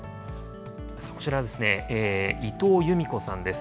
こちらですね、伊藤由美子さんです。